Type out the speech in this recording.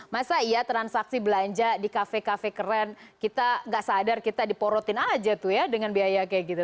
masa iya transaksi belanja di kafe kafe keren kita gak sadar kita diporotin aja tuh ya dengan biaya kayak gitu